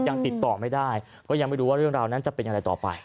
ยังติดต่อไม่ได้ก็ยังไม่รู้ว่าเรื่องราวนั้นจะเป็นอย่างไรต่อไป